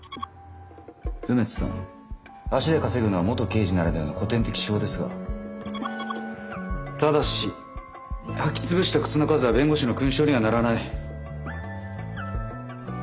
梅津さん足で稼ぐのは元刑事ならではの古典的手法ですがただし履き潰した靴の数は弁護士の勲章にはならない。